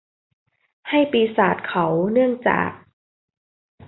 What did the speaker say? ให้ปีศาจเขาเนื่องจาก